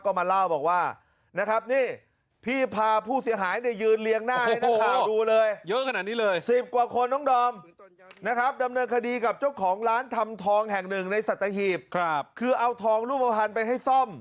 ก็มาเล่าบอกว่านะครับนี่พี่พาผู้เสียหายในยืนเรียงหน้าให้นักข่าวดูเลย